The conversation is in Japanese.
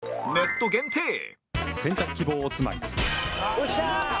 よっしゃー！